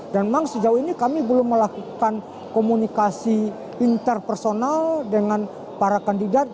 dan memang sejauh ini kami belum melakukan komunikasi interpersonal dengan para kandidat